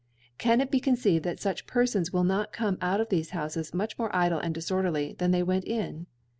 Can it be con ceived that (uch Ptrfons will not come cut of thefc Houfes much more idle and dis orderly than they went in